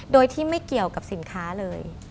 โดยที่ไม่เกี่ยวกับสินค้าเลย